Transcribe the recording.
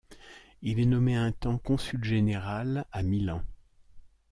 Il est nommé un temps consul général à Milan.